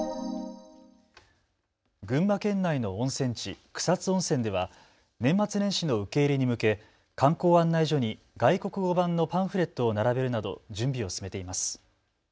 群馬県内の温泉地、草津温泉では年末年始の受け入れに向け観光案内所に外国語版のパンフレットを並べるなど準備を進めています。